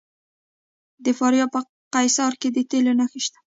د فاریاب په قیصار کې د تیلو نښې شته.